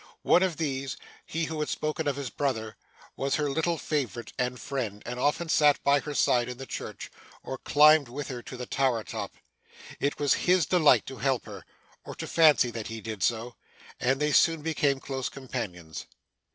One of these he who had spoken of his brother was her little favourite and friend, and often sat by her side in the church, or climbed with her to the tower top. It was his delight to help her, or to fancy that he did so, and they soon became close companions.